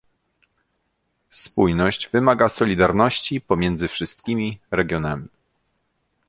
Spójność wymaga solidarności pomiędzy wszystkimi regionami